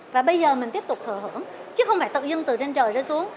và bây giờ mình tiếp tục thừa hưởng chứ không phải tự dưng từ trên trời xuống